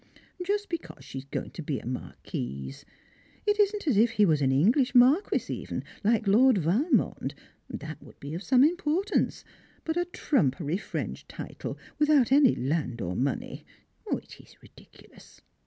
just because she is going to be a Marquise. It isn't as if he was an English Marquis even, like Lord Valmond, that would be of some importance but a trumpery French title, without any land or money, it is ridiculous.